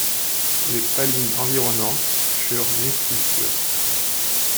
Les palines environnantes furent misesculture.